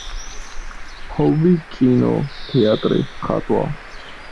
ჰობი კინო, თეატრი, ხატვა.